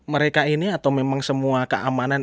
mereka ini atau memang semua keamanan